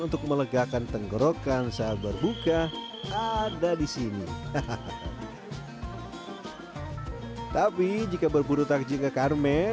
untuk melegakan tenggorokan saat berbuka ada di sini hahaha tapi jika berburu takjil ke karmel